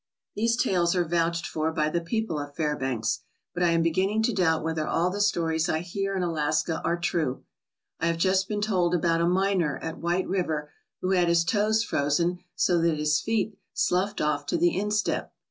These tales are vouched for by the people of Fairbanks, but I am beginning to doubt whether all the stories I hear in Alaska are true. I have just been told about a miner at White River who had his toes frozen so that his feet sloughed off to the instep.